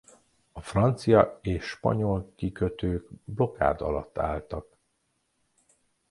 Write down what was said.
A francia és spanyol kikötők blokád alatt álltak.